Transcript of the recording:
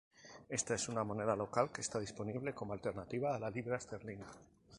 Esta es una moneda local que está disponible como alternativa a la libra esterlina.